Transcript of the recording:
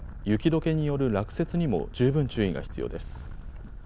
雪どけによる落雪にも十分注意が必要です。